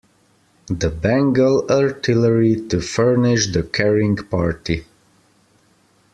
The Bengal artillery to furnish the carrying party.